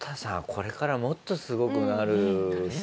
これからもっとすごくなる人ですよね。